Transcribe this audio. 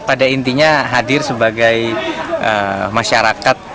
pada intinya hadir sebagai masyarakat